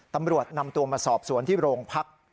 ตำรวจนำตัวมาสอบสวนที่โรงพัก